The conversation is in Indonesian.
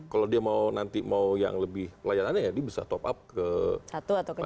kalau dia mau nanti mau yang lebih layanannya ya dia bisa top up ke satu atau ke